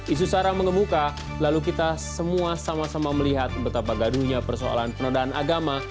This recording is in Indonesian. isu sarang mengemuka lalu kita semua sama sama melihat betapa gaduhnya persoalan penodaan agama